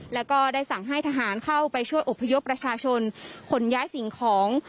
แล้วก็ได้สั่งให้ทหารเข้าไปช่วยอบพยพประชาชนขนย้ายสิ่งของ